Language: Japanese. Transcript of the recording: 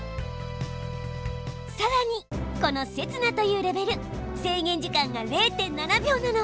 さらにこの刹那というレベル制限時間が０．７秒なの。